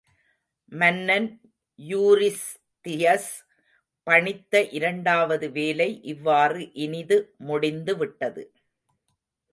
மன்னன் யூரிஸ்தியஸ் பணித்த இரண்டாவது வேலை இவ்வாறு இனிது முடிந்துவிட்டது.